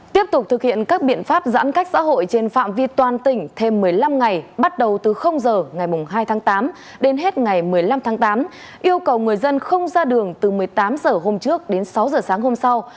tiếp tục thực hiện các biện pháp giãn cách xã hội trên phạm vi toàn tỉnh thêm một mươi năm ngày bắt đầu từ giờ ngày hai tháng tám đến hết ngày một mươi năm tháng tám yêu cầu người dân không ra đường từ một mươi tám h hôm trước đến sáu h sáng hôm sau